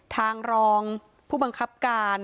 ทางรองผู้บังคับการ